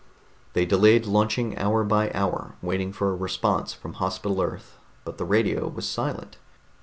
They delayed launching hour by hour waiting for a response from Hospital Earth, but the radio was silent.